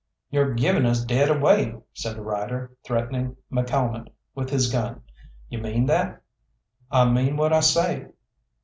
"You're giving us dead away!" said the rider, threatening McCalmont with his gun. "You mean that?" "I mean what I say."